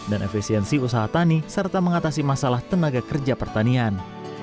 efisiensi usaha tani serta mengatasi masalah tenaga kerja pertanian